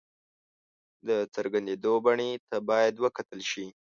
د څرګندېدو بڼې ته باید وکتل شي.